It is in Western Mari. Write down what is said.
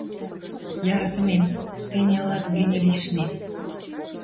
Яратымем, тӹньӹ ылат гӹньӹ лишнем